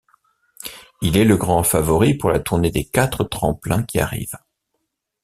Il est le grand favori pour la Tournée des Quatre Tremplins qui arrive.